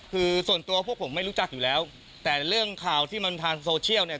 คือส่วนตัวพวกผมไม่รู้จักอยู่แล้วแต่เรื่องข่าวที่มันทางโซเชียลเนี่ย